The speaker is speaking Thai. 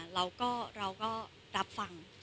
เราก็รับฟัง